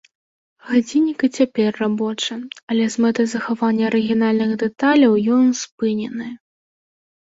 Гадзіннік і цяпер рабочы, але з мэтай захавання арыгінальных дэталяў ён спынены.